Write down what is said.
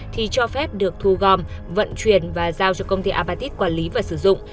thì cho phép được thu gom vận chuyển và giao cho công ty apatit quản lý và sử dụng